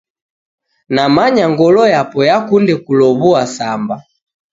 Namanya ngolo yapo yakunde kulowua Samba